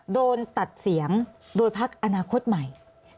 โดนตัดเสียงโดยพักอนาคตใหม่